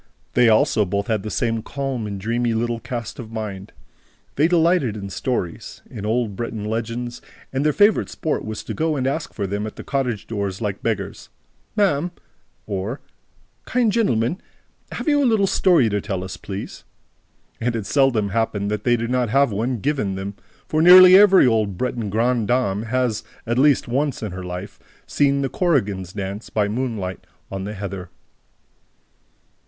They also both had the same calm and dreamy little cast of mind. They delighted in stories, in old Breton legends; and their favorite sport was to go and ask for them at the cottage doors, like beggars: "Ma'am ..." or, "Kind gentleman ... have you a little story to tell us, please?" And it seldom happened that they did not have one "given" them; for nearly every old Breton grandame has, at least once in her life, seen the "korrigans" dance by moonlight on the heather.